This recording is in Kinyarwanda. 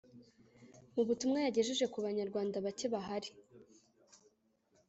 Mu butumwa yagejeje ku Banyarwanda bake bahari